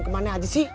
kemana aja sih